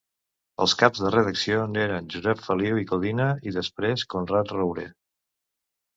Els caps de redacció n'eren Josep Feliu i Codina i després Conrad Roure.